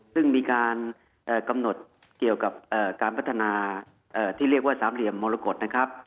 ซึ่งมีการกำหนดเกี่ยวกับการพัฒนาที่เรียกว่าสามเหลี่ยมมรกฏนะครับ